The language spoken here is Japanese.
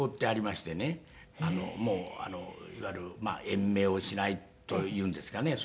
もういわゆる延命をしないというんですかね。